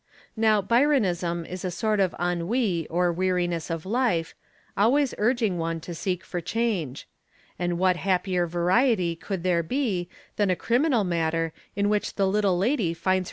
Now Byronism is a sort of ennwie or weariness of life always urging one to seek for change; and what happier variety coule there be than a criminal matter in which the little lady finds hersel!